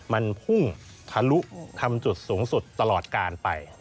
มันพุ่งทะลุทำจุดสูงสุดตลอดการไป